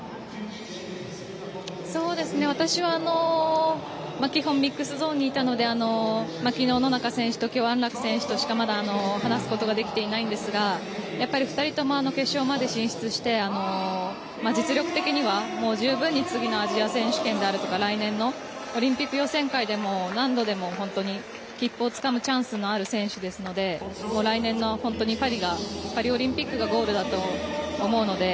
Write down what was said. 私は、基本ミックスゾーンにいたので昨日、野中選手と今日、安楽選手としか話すことはできていないんですが２人とも決勝まで進出して実力的には十分に、次のアジア選手権であるとか、来年のオリンピック予選会でもなんどでも切符をつかむチャンスのある選手ですので来年のパリオリンピックがゴールだと思うので。